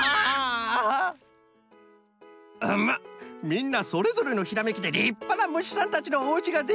みんなそれぞれのひらめきでりっぱなむしさんたちのおうちができた。